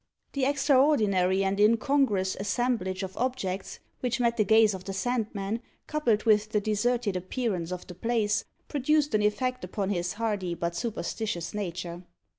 The extraordinary and incongruous assemblage of objects which met the gaze of the Sandman, coupled with the deserted appearance of the place, produced an effect upon his hardy but superstitious nature.